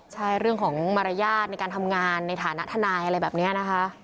ใช่เรื่องของมารยาทในการทำงานในฐานะทนายอะไรแบบนี้นะคะ